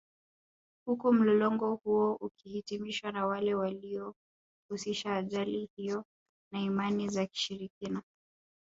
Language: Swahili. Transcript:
Huku mlolongo huo ukihitimishwa na wale waliohusisha ajali hiyo na Imani za Kishirikina